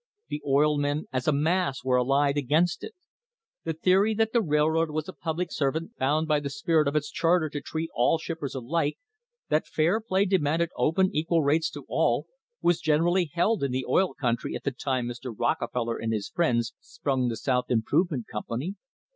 The oil men as a mass were allied against it. The theory that the railroad was a public servant bound by the spirit of its charter to treat all shippers alike, that fair play demanded open equal rates to all, was generally held in the oil country at the time Mr. Rockefel ler and his friends sprung the South Improvement Company.